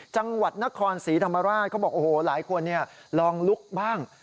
จังหวัดนครศรีธรรมราชเขาบอกโอ้โหหลายคนลองลุกบ้าง